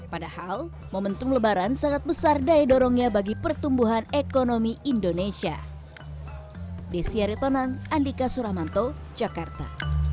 padahal momentum lebaran sangat besar daya dorongnya bagi pertumbuhan ekonomi indonesia